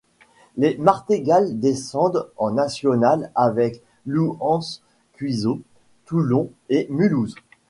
Les Martégals déscendent en National avec Louhans-Cuiseaux, Toulon et Mulhouse.